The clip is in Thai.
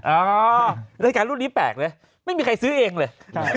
โอ้โฮในรายการรูปนี้แปลกเลยไม่มีใครซื้อเองเลย